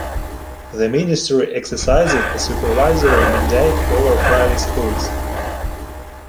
The ministry exercises a supervisory mandate over private schools.